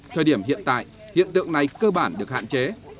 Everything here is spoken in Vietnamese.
thời điểm hiện tại hiện tượng này cơ bản được hạn chế